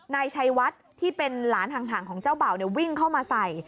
นายชัยวัดที่เป็นหลานห่างของเจ้าบ่าววิ่งเข้ามาใส่